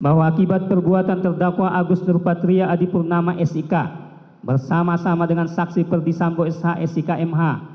bahwa akibat perbuatan terdakwa agus nurpatria adipurnama s i k bersama sama dengan saksi perdisambo s h s i k m h